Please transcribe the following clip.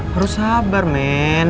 harus sabar men